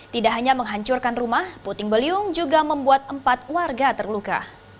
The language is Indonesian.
tidak hanya menghancurkan rumah puting beliung juga membuat empat warga terluka